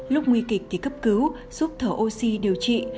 lúc nguy kịch thì cấp cứu giúp thở oxy điều trị